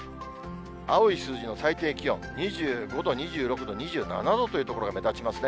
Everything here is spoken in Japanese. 青い数字の最低気温、２５度、２６度、２７度という所が目立ちますね。